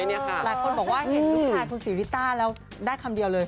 หลายคนบอกว่าเห็นลูกชายคุณศรีริต้าแล้วได้คำเดียวเลย